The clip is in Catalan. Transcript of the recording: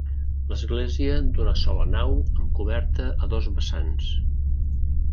Església d'una sola nau amb coberta a dos vessants.